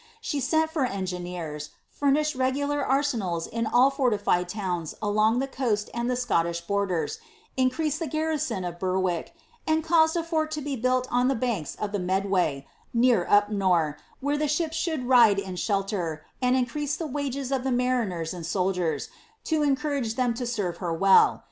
She ^nt for engineers, and furnished regular arsenals in all fortified towns along the coast and the Scottish borders, increaj«ed the garrison of Ber vick, and caused a fort to be built on the banks of the Medway, near Upnor, where the ships should ride in shelter, and increased the wages of the mariners and soldiers, to encourage tliem to serve her well.